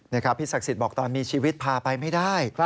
นี่ครับพี่ศักดิ์ศิษย์บอกตอนมีชีวิตพาไปไม่ได้